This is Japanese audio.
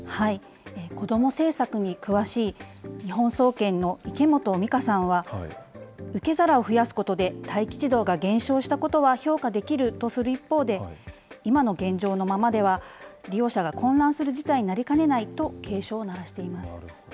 子ども政策に詳しい、日本総研の池本美香さんは、受け皿を増やすことで、待機児童が減少したことは評価できるとする一方で、今の現状のままでは、利用者が混乱する事態になりかねないと警鐘を鳴らしていなるほど。